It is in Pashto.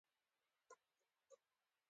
چې په تېر رژيم کې د بهرنيو چارو وزير و.